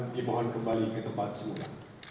dimohon kembali ke tempat semua